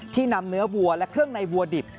นำเนื้อวัวและเครื่องในวัวดิบ